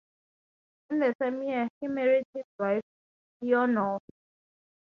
In the same year he married his wife, Leonore.